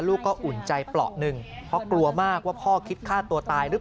ลูกก็อุ่นใจเปราะหนึ่งเพราะกลัวมากว่าพ่อคิดฆ่าตัวตายหรือเปล่า